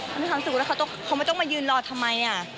เป็นความสุขแล้วเขาต้องมายืนรอทำไม